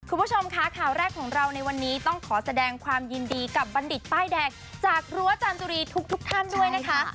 คุณผู้ชมค่ะข่าวแรกของเราในวันนี้ต้องขอแสดงความยินดีกับบัณฑิตป้ายแดงจากรั้วจามจุรีทุกท่านด้วยนะคะ